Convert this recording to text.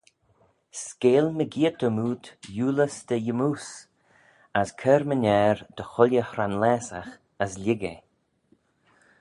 "Skeayl mygeayrt-y-mood eulys dty yymmoose; as cur-my-ner dy chooilley hranlaasagh, as lhieg eh."